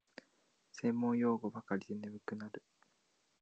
専門用語ばかりで眠くなる